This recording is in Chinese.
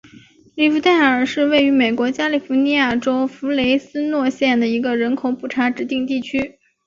里弗代尔是位于美国加利福尼亚州弗雷斯诺县的一个人口普查指定地区。